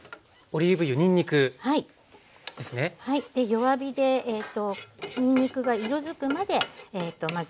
弱火でにんにくが色づくまでまず炒めていきます。